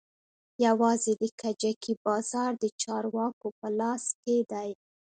يوازې د کجکي بازار د چارواکو په لاس کښې دى.